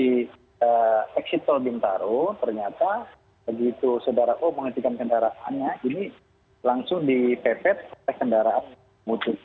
di eksipto bintaru ternyata begitu saudara o mengajukan kendaraannya ini langsung dipepet ke kendaraan mutu